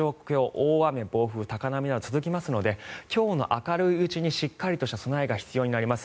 大雨、暴風、高波は続きますので今日の明るいうちにしっかりとした備えが必要になります。